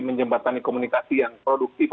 menjembatani komunikasi yang produktif